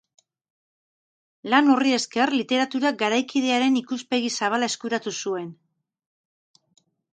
Lan horri esker, literatura garaikidearen ikuspegi zabala eskuratu zuen.